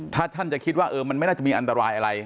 ถ้าท่านจะคิดว่ามันไม่น่าจะมีอันตรายอะไร